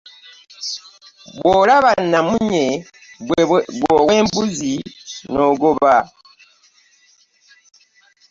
Bwolaba namunye gwe ow'embuzi n'ogoba ?